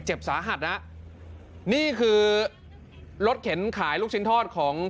เจ็บสาหัสนะนี่คือรถเข็นขายลูกชิ้นทอดของ